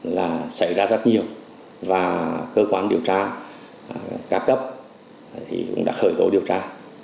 là xảy ra rất nhiều và cơ quan điều tra ca cấp thì cũng đã khởi tố điều tra